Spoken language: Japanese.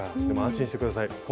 でも安心して下さい。